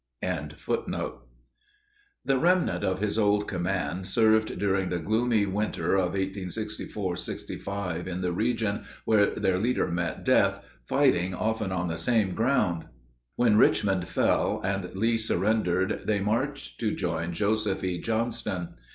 ] The remnant of his old command served during the gloomy winter of 1864 65 in the region where their leader met death, fighting often on the same ground. When Richmond fell, and Lee surrendered, they marched to join Joseph E. Johnston.